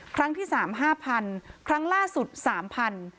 ครั้งที่สามห้าพันครั้งล่าสุดสามพัน